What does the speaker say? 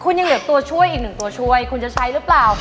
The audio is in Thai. คุณยังเหลือตัวช่วยอีกหนึ่งตัวช่วยคุณจะใช้หรือเปล่า